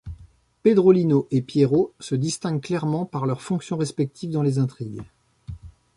Pedrolino et Pierrot se distinguent clairement par leurs fonctions respectives dans les intrigues.